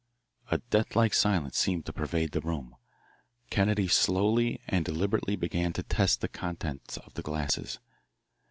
A death like silence seemed to pervade the room. Kennedy slowly and deliberately began to test the contents of the glasses.